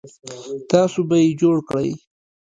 تاسو به یې جوړ کړئ